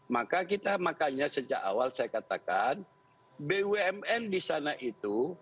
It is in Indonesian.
maka kita makanya sejak awal saya katakan bumn di sana itu